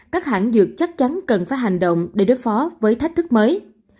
các hãng dược chắc chắn cần phải hành động để đối phó với thách thức mới